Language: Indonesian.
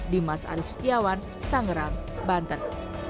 dimas arief setiawan tangerang banten